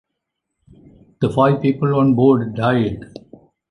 The five people on-board died.